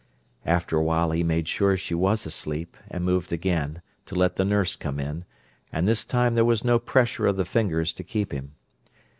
After a while he made sure she was asleep, and moved again, to let the nurse come in, and this time there was no pressure of the fingers to keep him.